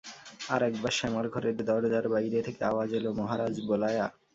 আর-একবার শ্যামার ঘরের দরজার বাইরে থেকে আওয়াজ এল, মহারাজ বোলায়া।